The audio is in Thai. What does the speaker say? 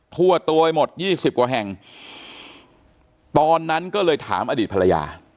ทั่วตัวไปหมดยี่สิบกว่าแห่งตอนนั้นก็เลยถามอดีตภรรยา